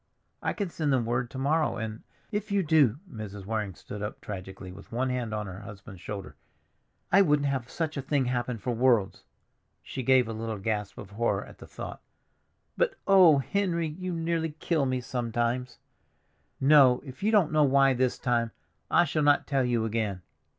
I can send them word to morrow, and—" "If you do!" Mrs. Waring stood up tragically with one hand on her husband's shoulder. "I wouldn't have such a thing happen for worlds." She gave a little gasp of horror at the thought. "But, oh, Henry, you nearly kill me sometimes! No, if you don't know why this time, I shall not tell you again."